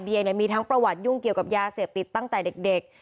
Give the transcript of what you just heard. มีทั้งประวัติยุ่งเกี่ยวกับยาเสพติดตั้งแต่เด็ก